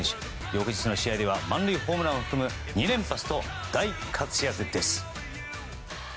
翌日の試合では満塁ホームランを含む２連発と大活躍です。